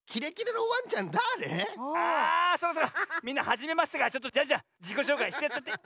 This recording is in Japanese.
みんなはじめましてだからジャンジャンじこしょうかいしてやっちゃって。